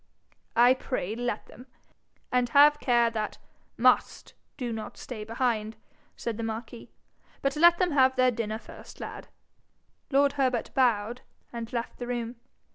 'I pray, let them. And have care that MUST do not stay behind,' said the marquis. 'But let them have their dinner first, lad.' Lord Herbert bowed, and left the room.